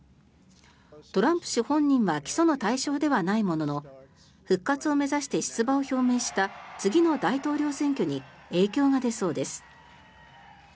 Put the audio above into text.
トランプ氏本人は起訴の対象ではないものの復活を目指して出馬を表明した次の大統領選挙に影響が出そうです。